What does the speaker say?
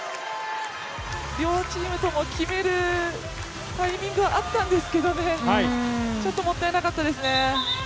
両チームとも決めるタイミングはあったんですけどね、ちょっともったいなかったですね。